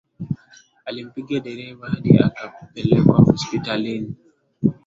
Alimpiga dereva hadi akapelekwa hospitalini